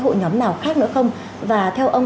hội nhóm nào khác nữa không và theo ông